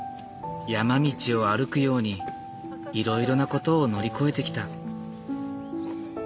山道を歩くようにいろいろなことを乗り越えてきた。